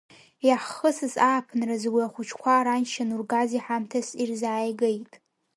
Иаҳхысыз ааԥынразы уи ахәыҷқәа раншьа Нургази ҳамҭас ирзааигеит.